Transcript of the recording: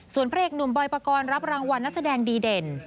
ส่วนพระเอกหนุ่มบอยปกรณ์รับรางวัลนักแสดงดีเด่น